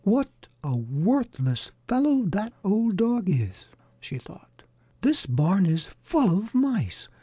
"What a worthless fellow that old dog is!" she thought. "This barn is full of mice!